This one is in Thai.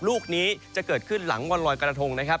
ลูกนี้จะเกิดขึ้นหลังวันลอยกระทงนะครับ